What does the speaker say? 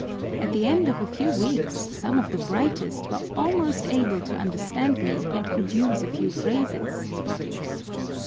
At the end of a few weeks some of the brightest were almost able to understand me and could use a few phrases."